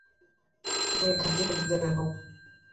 তুমি এখান থেকে বিদায় হও।